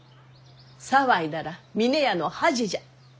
騒いだら峰屋の恥じゃ。